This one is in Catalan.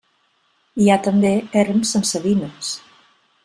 Hi ha també erms amb savines.